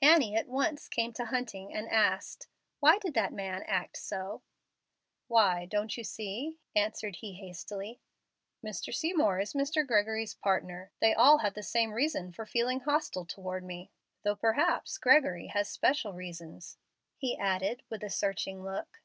Annie at once came to Hunting and asked, "Why did that man act so?" "Why, don't you see?" answered he, hastily. "Mr. Seymour is Mr. Gregory's partner. They all have the same reason for feeling hostile toward me, though perhaps Gregory has special reasons," he added, with a searching look.